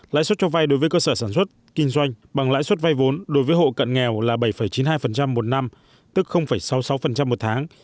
lãi suất cho vay đối với cơ sở sản xuất kinh doanh bằng lãi suất vay vốn đối với hộ cận nghèo là bảy chín mươi hai một năm tức sáu mươi sáu một tháng